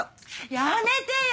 やめてよ。